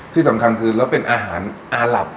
ที่สำคัญคือแล้วเป็นอาหารอาหลับ